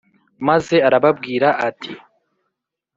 Maze arababwira ati